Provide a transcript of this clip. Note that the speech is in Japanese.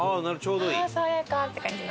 ああ、爽やか！って感じの。